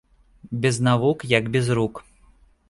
Без навук як без рук